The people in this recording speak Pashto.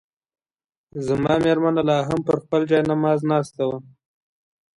زما مېرمنه لا هم پر خپل جاینماز ناسته وه.